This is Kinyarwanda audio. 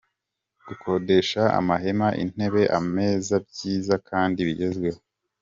Gukodesha amahema, intebe, ameza byiza kandi bigezweho.